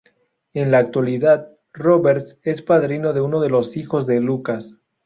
En la actualidad, Roberts es padrino de uno de los hijos de Lucas.